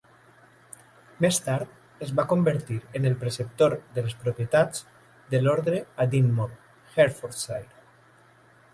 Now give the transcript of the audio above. Més tard es va convertir en el preceptor de les propietats de l'ordre a Dinmore (Herefordshire).